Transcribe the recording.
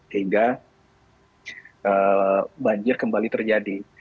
hingga banjir kembali terjadi